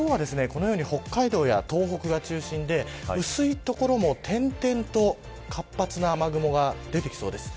今日はこのように北海道や東北が中心で薄い所も点々と活発な雨雲が出てきそうです。